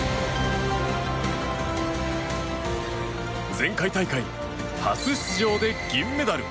前回大会、初出場で銀メダル。